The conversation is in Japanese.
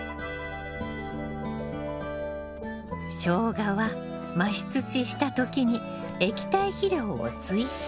ショウガは増し土した時に液体肥料を追肥。